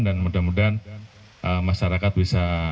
dan mudah mudahan masyarakat bisa